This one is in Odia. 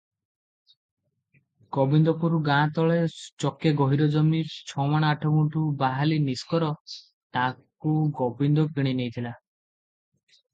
ଗୋବିନ୍ଦପୁର ଗାଁତଳେ ଚକେ ଗହୀର ଜମି ଛମାଣ ଆଠଗୁଣ୍ତ ବାହାଲି ନିଷ୍କର, ତାକୁ ଗୋବିନ୍ଦ କିଣିନେଇଥିଲା ।